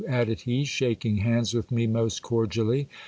added he, shaking hands with me most cor dially.